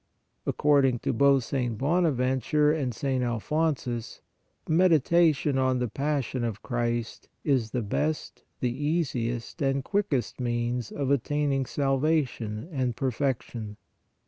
According to both St. Bonaventure and St. Alphon sus, meditation on the passion of Christ is the best, the easiest and quickest means of attaining salvation and perfection.